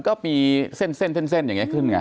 ก็มีเส้นอย่างนี้ขึ้นไง